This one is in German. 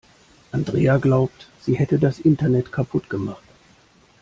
Andrea glaubt, sie hätte das Internet kaputt gemacht.